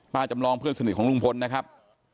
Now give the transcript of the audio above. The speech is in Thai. จำลองเพื่อนสนิทของลุงพลนะครับ